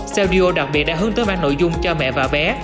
saleo đặc biệt đã hướng tới mang nội dung cho mẹ và bé